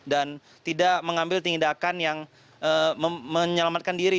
dan tidak mengambil tindakan yang menyelamatkan diri